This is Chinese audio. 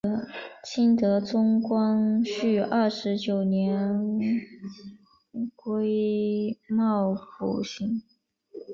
清德宗光绪二十九年癸卯补行辛丑壬寅恩正并科进士名单。